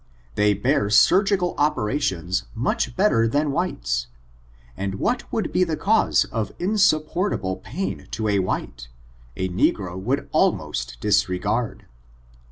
They bear surgical operations much better than whites; and what would be the cause of insup portable pain to a white, a negro would almost dis regard.